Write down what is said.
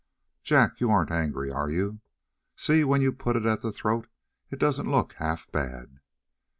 "Jack, you aren't angry, are you? See, when you put it at the throat it doesn't look half bad!"